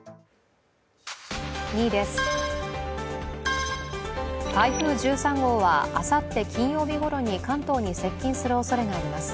２位です、台風１３号はあさって金曜日ごろに関東に接近するおれそがあります。